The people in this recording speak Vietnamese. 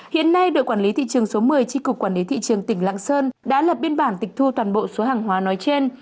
hiện nay đội quản lý thị trường số một mươi tri cục quản lý thị trường tỉnh lạng sơn đã lập biên bản tịch thu toàn bộ số hàng hóa nói trên